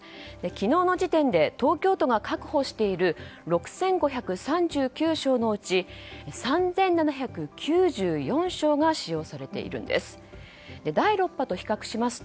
昨日の時点で東京都が確保している６５３９床のうち３７９４床が使用されているんです。